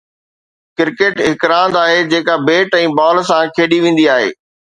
cricket هڪ راند آهي جيڪا بيٽ ۽ بال سان کيڏي ويندي آهي